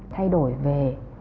thay đổi về